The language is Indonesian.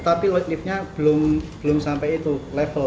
tapi loadliftnya belum sampai itu level